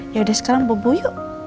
yaudah sekarang bobo yuk